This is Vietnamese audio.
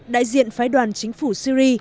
đại diện phái đoàn chính phủ syri